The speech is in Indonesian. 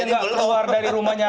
nggak keluar dari rumahnya